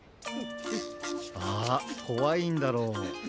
あこわいんだろ？